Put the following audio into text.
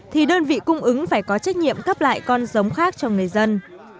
thì đơn vị cung ứng phải có trách nhiệm cấp lại con giống khác cho người dân